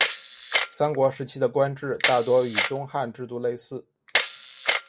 三国时期的官制大多与东汉制度类似。